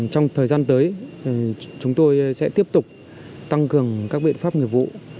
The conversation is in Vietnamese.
trong thời gian tới chúng tôi sẽ tiếp tục tăng cường các biện pháp nghiệp vụ